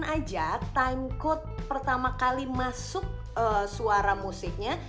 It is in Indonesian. nyalakan aja timecode pertama kali masuk suara musiknya